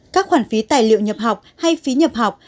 các khoản phí tài liệu nhập học hay phí nhập học